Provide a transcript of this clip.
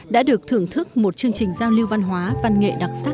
đã được thưởng thức một chương trình giao lưu văn hóa văn nghệ đặc sắc